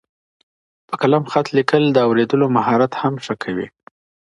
په قلم خط لیکل د اوریدلو مهارت هم ښه کوي.